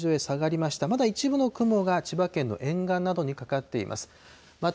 まだ一部の雲が千葉県の沿岸などにかかっています。